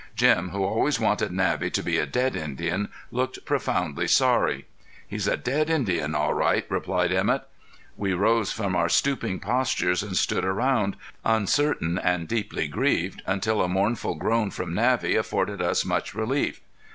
Jim, who always wanted Navvy to be a dead Indian, looked profoundly sorry. "He's a dead Indian, all right," replied Emett. We rose from our stooping postures and stood around, uncertain and deeply grieved, until a mournful groan from Navvy afforded us much relief.